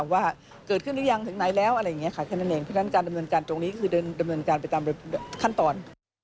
ว่าเกิดขึ้นหรือยังถึงไหนแล้วท่านดำเนินการตรงนี้ก็คือเดินดำเนินการไปตามขั้นตอน